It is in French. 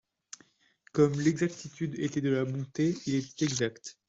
Comme l'exactitude était de la bonté, il était exact.